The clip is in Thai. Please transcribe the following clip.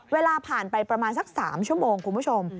เวลาผ่านไปประมาณสัก๓ชั่วโมงคุณผู้ชม